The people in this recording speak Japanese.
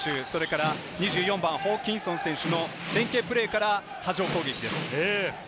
ホーキンソン選手の連係プレーから波状攻撃です。